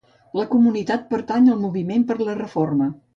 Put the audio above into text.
La comunitat pertany al moviment per la reforma.